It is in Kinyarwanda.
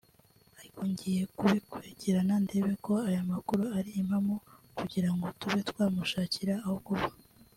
ariko ngiye kubikurikirana ndebe ko aya makuru ari impamo kugira ngo tube twamushakira aho kuba